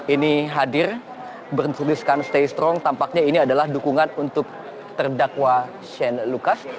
ini hadir bertuliskan stay strong tampaknya ini adalah dukungan untuk terdakwa shane lucas